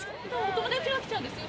友達が来ちゃうんです。